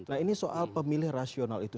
nah ini soal pemilih rasional itu